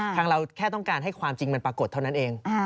เราแค่ต้องการให้ความจริงมันปรากฏเท่านั้นเอง